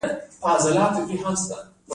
د ستړیا د لرې کولو لپاره باید څه شی وخورم؟